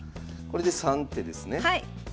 これで３手ですね。